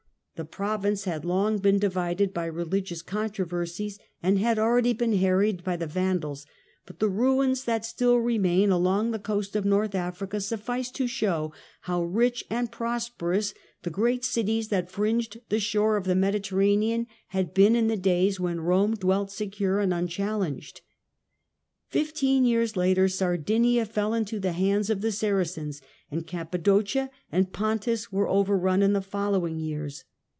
The nca ' province had long been divided by religious controversies, and had already been harried by the Vandals, but the ruins that still remain along the coast of North Africa suffice to show how rich and prosperous the great cities that fringed the shore of the Mediterranean had been in the days when Rome dwelt secure and unchallenged. Fifteen years later, Sardinia fell into the hands of the Saracens, and Cappadocia and Pontus were overrun in the following years.